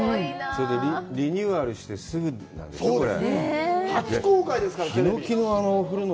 それでリニューアルしてすぐなんでしょう？